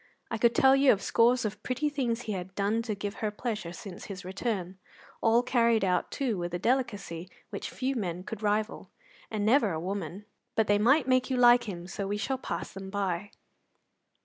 I could tell you of scores of pretty things he had done to give her pleasure since his return, all carried out, too, with a delicacy which few men could rival, and never a woman; but they might make you like him, so we shall pass them by.